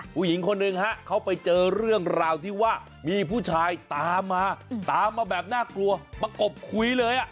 ผู้หญิงคนหนึ่งฮะเขาไปเจอเรื่องราวที่ว่ามีผู้ชายตามมาตามมาแบบน่ากลัวประกบคุยเลย